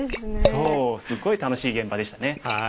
そうすごい楽しい現場でしたね。